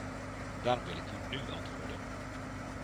Daarom wil ik u nu antwoorden.